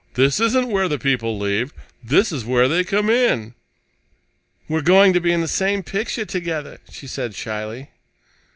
"This isn't where the people leave. This is where they come in!" "We're going to be in the same picture together," she said shyly.